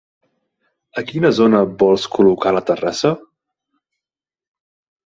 A quina zona vols col·locar la terrassa?